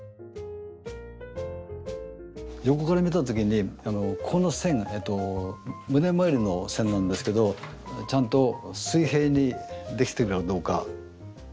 横から見た時にこの線が胸回りの線なんですけどちゃんと水平にできてるかどうか。